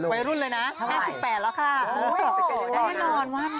วัยรุ่นเลยนะ๕๘แล้วค่ะ